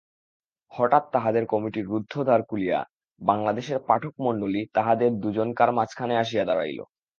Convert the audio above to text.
হঠাৎ তাহাদের কমিটির রুদ্ধ দ্বার খুলিয়া বাংলাদেশের পাঠকমণ্ডলী তাহাদের দুজনকার মাঝখানে আসিয়া দাঁড়াইল।